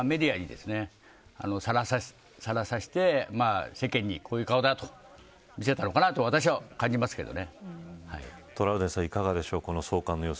このゆっくり歩いているこれは、メディアにさらさせて世間に、こういう顔だと見せたのかなと私は感じますけどね。